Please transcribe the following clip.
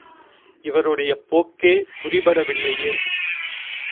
இவருடைய போக்கே புரிபடவில்லையே.